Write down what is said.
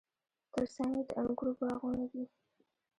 ترڅنګ یې د انګورو باغونه دي.